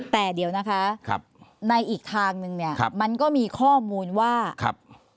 แต่เดี๋ยวนะคะในอีกทางนึงเนี่ยมันก็มีข้อมูลว่าครับ